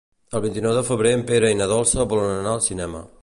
El vint-i-nou de febrer en Pere i na Dolça volen anar al cinema.